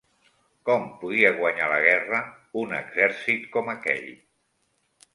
Com podia guanyar la guerra un exèrcit com aquell?